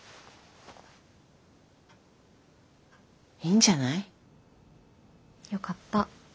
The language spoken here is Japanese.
いいんじゃない？よかった。